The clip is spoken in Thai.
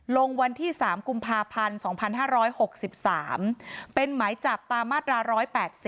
วันที่๓กุมภาพันธ์๒๕๖๓เป็นหมายจับตามมาตรา๑๘๐